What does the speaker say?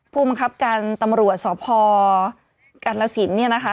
ผู้มันครับการตำรวจสอบพอกันละสินเนี่ยนะคะ